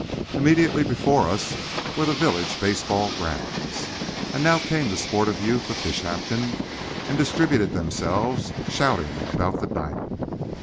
Immediately before us were the village baseball grounds. And now came the sportive youth of Fishampton and distributed themselves, shouting, about the diamond.